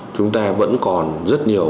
chúng ta vẫn còn rất nhiều